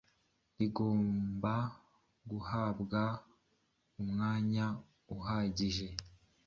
rigomba guhabwa umwanya uhagije.